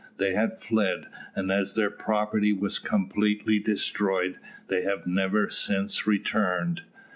They had fled, and as their property was completely destroyed, they have never since returned.